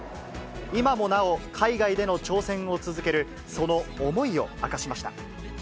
今もなお、海外での挑戦を続けるその思いを明かしました。